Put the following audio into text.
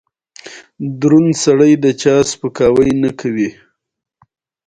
مینه وکړی مینه ښه ده.